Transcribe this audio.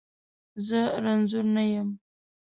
زه رنځور نه یم.